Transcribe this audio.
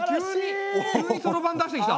急にそろばん出してきた。